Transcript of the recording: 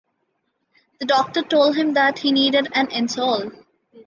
The doctor told him that he needed an insole.